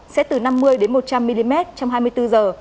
sẽ từ năm mươi một trăm linh mm trong hai mươi bốn giờ